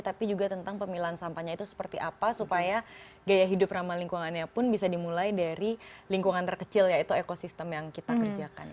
tapi juga tentang pemilihan sampahnya itu seperti apa supaya gaya hidup ramah lingkungannya pun bisa dimulai dari lingkungan terkecil yaitu ekosistem yang kita kerjakan